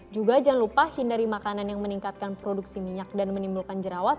juga jangan lupa hindari makanan yang meningkatkan produksi minyak dan menimbulkan jerawat